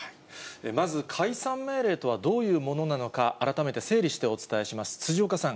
まず、解散命令とはどういうものなのか、改めて整理してお伝えします。